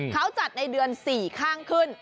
เขาจัดในเดือน๔ข้างขึ้น